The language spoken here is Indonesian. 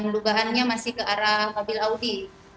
dugaannya masih ke arah mobil audi